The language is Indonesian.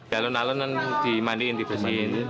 jalan jalan dimandikan dibersihkan